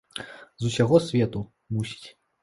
З усяго свету, мусіць.